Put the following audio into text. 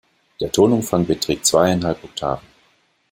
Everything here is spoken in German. Der Tonumfang beträgt zweieinhalb Oktaven.